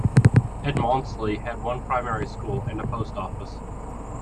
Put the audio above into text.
Edmondsley has one primary school, and a Post Office.